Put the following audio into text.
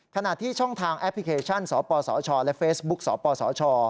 ขณะที่ช่องทางแอปพลิเคชันสปสชและเฟซบุ๊กสปสช